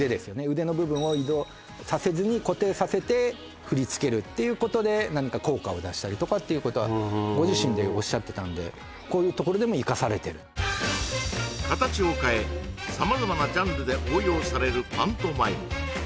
腕の部分を移動させずに固定させて振り付けるっていうことで何か効果を出したりとかってことご自身でおっしゃってたんでこういうところでも生かされてる形を変え様々なジャンルで応用されるパントマイム